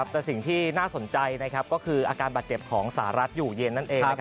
แต่สิ่งที่น่าสนใจก็คืออาการบาดเจ็บของสหรัฐอยู่เย็นนั่นเอง